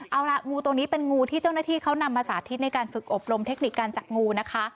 เอาล่ะงูตัวนี้เป็นงูที่เจ้าหน้าที่เขานำมาสาธิตในการฝึกอบรมเทคนิคการจับงูนะคะ